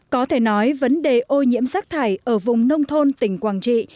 có thể nói vấn đề ô nhiễm rác thải ở vùng nông thôn tỉnh quảng trị